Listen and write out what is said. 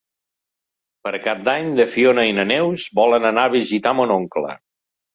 Per Cap d'Any na Fiona i na Neus volen anar a visitar mon oncle.